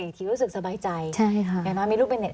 อีกทีรู้สึกสบายใจใช่ค่ะอย่างน้อยมีลูกเป็นเน็